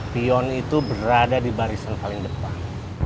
pion itu berada di barisan paling depan